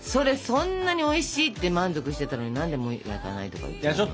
そんなにおいしいって満足してたのに何でもう焼かないとか言っちゃうの？